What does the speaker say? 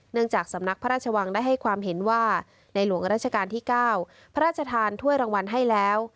จากสำนักพระราชวังได้ให้ความเห็นว่าในหลวงราชการที่๙พระราชทานถ้วยรางวัลให้แล้ว